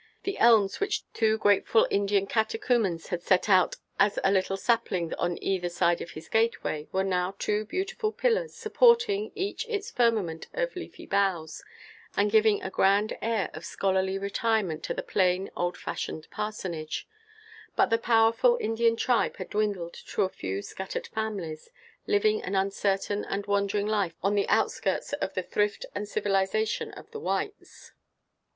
The elms which two grateful Indian catechumens had set out as a little saplings on either side of his gateway were now two beautiful pillars, supporting, each its firmament of leafy boughs, and giving a grand air of scholarly retirement to the plain, old fashioned parsonage; but the powerful Indian tribe had dwindled to a few scattered families, living an uncertain and wandering life on the outskirts of the thrift and civilization of the whites.